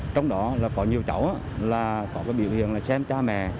trong đó là có nhiều cháu là có cái biểu hiện là xem cha mẹ